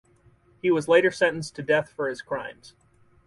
He was later sentenced to death for his crimes.